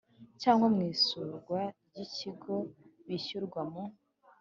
cyangwa mu isurwa ry ikigo bishyirwa mu